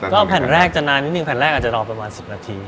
ก็แผ่นแรกจะนานนิดหนึ่งแผ่นแรกอาจจะรอประมาณ๑๐นาที